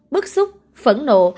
bức xúc phẫn nộ